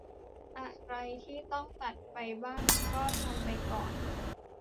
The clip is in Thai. อะไรที่ต้องตัดไปบ้างก็ทำไปก่อน